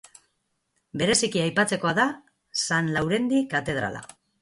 Bereziki aipatzekoa da San Laurendi katedrala.